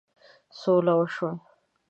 سوله وشوه.